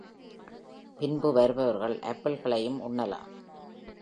பின்பு வருபவர்கள் ஆப்பிள்களையும் உண்ணலாம்.